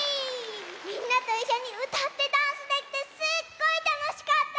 みんなといっしょにうたってダンスできてすっごいたのしかった！